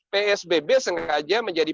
psbb sengaja menjadi